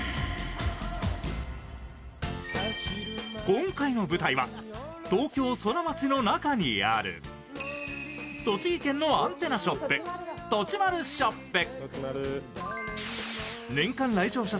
今回の舞台は東京ソラマチの中にある栃木県のアンテナショップとちまるショップ。